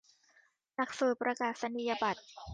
หลักสูตรประกาศนียบัตร